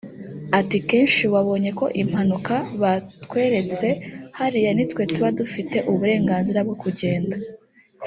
Ati “kenshi wabonye ko impanuka batweretse hariya nitwe tuba dufite uburenganzira bwo kugenda